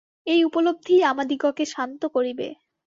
এই উপলব্ধিই আমাদিগকে শান্ত করিবে।